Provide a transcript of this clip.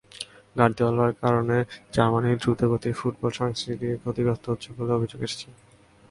গার্দিওলার কারণে জার্মানির দ্রুতগতির ফুটবল সংস্কৃতিই ক্ষতিগ্রস্ত হচ্ছে বলেও অভিযোগ এসেছে।